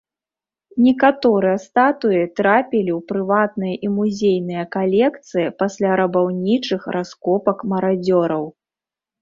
Некаторыя статуі трапілі ў прыватныя і музейныя калекцыі пасля рабаўнічых раскопак марадзёраў.